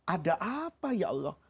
ada apa ya allah